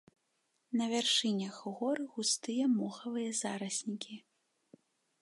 На вяршынях гор густыя мохавыя зараснікі.